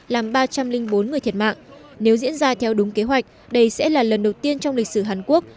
làm ba trăm linh bốn người thiệt mạng nếu diễn ra theo đúng kế hoạch đây sẽ là lần đầu tiên trong lịch sử hàn quốc